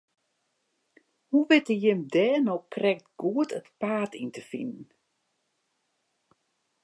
Hoe witte jim dêr no krekt goed it paad yn te finen?